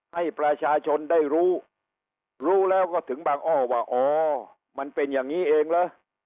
ให้ประชาชนได้รู้รู้แล้วก็ถึงบางอ้อว่าอ๋อมันเป็นอย่างนี้เองเหรอ